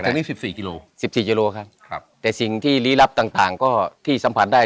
ทางนี้สิบสี่กิโลสิบสี่กิโลครับครับแต่สิ่งที่ลี้ลับต่างต่างก็ที่สัมผัสได้